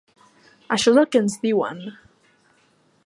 Això és el que ens diuen!